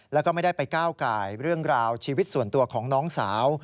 แล้วก็ไม่ได้ไปก้าวไก่เรื่องราวชีวิตส่วนตัวของน้องสาว